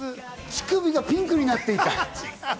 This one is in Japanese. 乳首がピンクになってた。